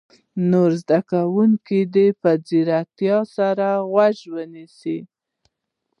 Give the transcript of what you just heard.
نور زده کوونکي دې په ځیرتیا سره غوږ ونیسي.